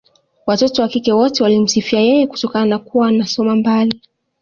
Watoto wa kike wote walimsifia yeye kutokana na kuwa anasoma mbali